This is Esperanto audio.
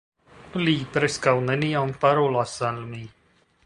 Li preskaŭ neniam parolas al mi.